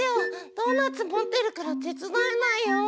ドーナツ持ってるから手伝えないよ。